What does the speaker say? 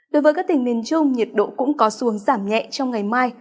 đối với các tỉnh miền trung nhiệt độ cũng có xuống giảm nhẹ trong ngày mai